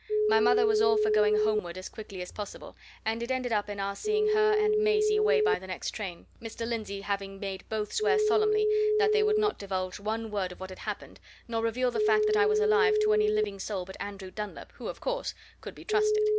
My mother was all for going homeward as quickly as possible, and it ended up in our seeing her and Maisie away by the next train; Mr. Lindsey having made both swear solemnly that they would not divulge one word of what had happened, nor reveal the fact that I was alive, to any living soul but Andrew Dunlop, who, of course, could be trusted.